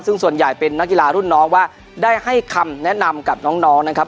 ซึ่งส่วนใหญ่เป็นนักกีฬารุ่นน้องว่าได้ให้คำแนะนำกับน้องนะครับ